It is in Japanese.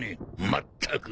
まったく！